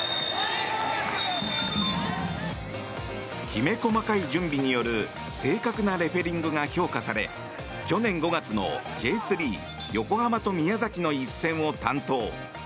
きめ細かい準備による正確なレフェリングが評価され去年５月のＪ３、横浜と宮崎の一戦を担当。